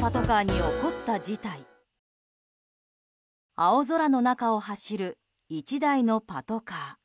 青空の中を走る１台のパトカー。